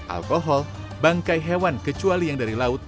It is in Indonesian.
alkohol bangkai hewan kecuali yang dari laut